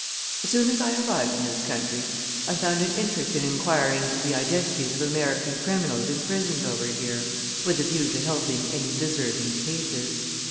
"As soon as I arrived in this country I found an interest in inquiring into the identities of American criminals imprisoned over here, with a view to helping any deserving cases.